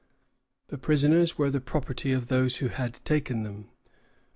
The prisoners were the property of those who had taken them.